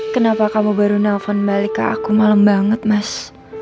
kenapa kamu baru nelfon balik ke aku malam banget mas